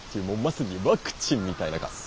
もうまさにワクチンみたいな蚊。